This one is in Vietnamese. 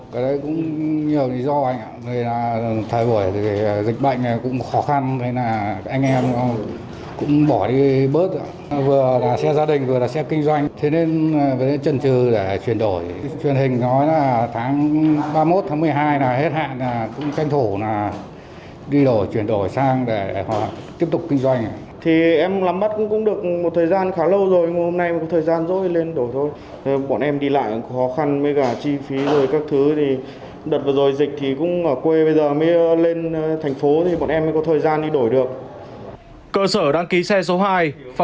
cơ sở đăng ký xe số hai phòng cảnh sát giao thông công an thành phố hà nội